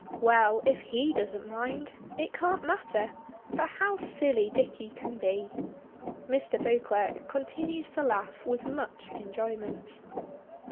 Well, if he doesn't mind, it can't matter, but how silly Dicky can be! Mr. Beauclerk continues to laugh with much enjoyment.